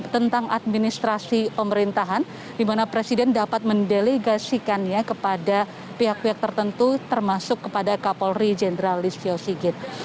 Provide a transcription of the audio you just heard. tentang administrasi pemerintahan di mana presiden dapat mendelegasikannya kepada pihak pihak tertentu termasuk kepada kapolri jenderal listio sigit